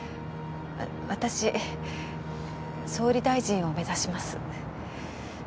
私総理大臣を目指します。